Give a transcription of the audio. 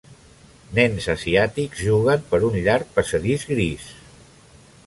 Nens asiàtics jugant per un llarg passadís gris.